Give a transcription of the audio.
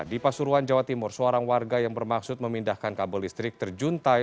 di pasuruan jawa timur seorang warga yang bermaksud memindahkan kabel listrik terjuntai